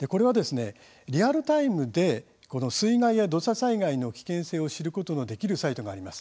リアルタイムで水害や土砂災害の危険性を知って避難の判断を助けるサイトがあります。